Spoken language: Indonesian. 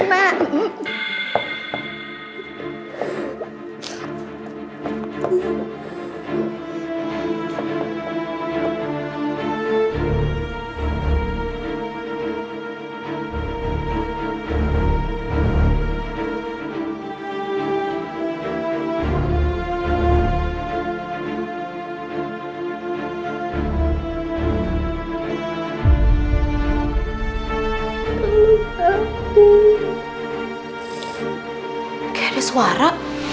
kayak ada suara